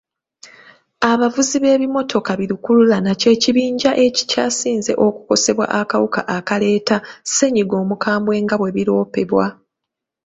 Abavuzi b'ebimmotoka bi lukululana ky'ekibinja ekikyasinze okukosebwa akawuka akaleeta ssennyiga omukambwe nga bwe biroopebwa.